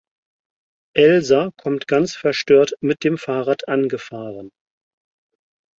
Elsa kommt ganz verstört mit dem Fahrrad angefahren.